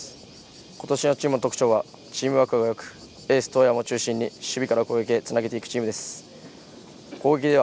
ことしのチームの特徴はチームワークがよくエース當山を中心に守備から攻撃へつなげていくチームです。